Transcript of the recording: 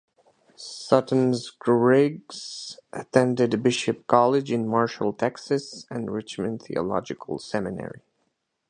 Sutton Griggs attended Bishop College in Marshall, Texas and Richmond Theological Seminary.